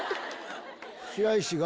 白石が。